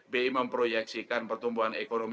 bi memproyeksikan pertumbuhan ekonomi